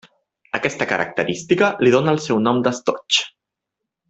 Aquesta característica li dóna el seu nom d'estoig.